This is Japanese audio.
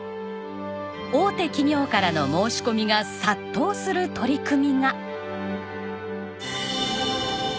大手企業からの申し込みが殺到する取り組みが。